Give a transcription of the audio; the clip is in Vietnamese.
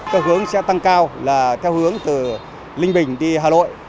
theo hướng sẽ tăng cao là theo hướng từ linh bình đi hà nội